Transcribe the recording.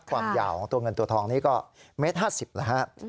ความยาวของตัวเงินตัวทองนี้ก็๑๕๐เมตรนะฮะ